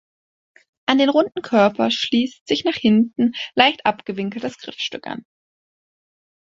An den runden Körper schließt sich nach hinten leicht abgewinkelt das Griffstück an.